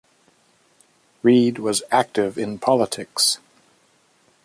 Reed was active in politics.